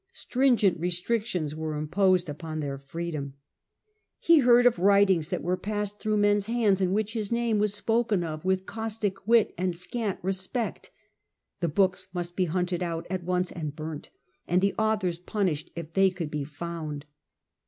Stringent restrictions were imposed upon their freedom. He heard and resented of writings that were passing through men's criticism, hands in which his name was spoken of with caustic wit and scant respect. The books must be hunted out at once and burnt, and the authors punished if they could be found.